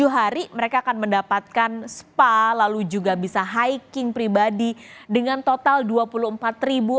tujuh hari mereka akan mendapatkan spa lalu juga bisa hiking pribadi dengan total dua puluh empat ribu